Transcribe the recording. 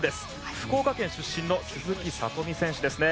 福岡県出身の鈴木聡美選手ですね。